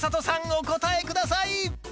お答えください！